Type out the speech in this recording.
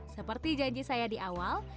seperti janji saya di awal